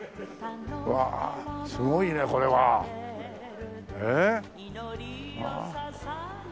うわあすごいねこれは。えっ？ああ。